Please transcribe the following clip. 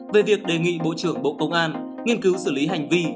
về việc đề nghị bộ trưởng bộ công an nghiên cứu xử lý hành vi